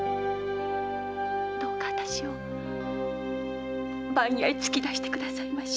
どうか私を番屋へ突き出してくださいまし。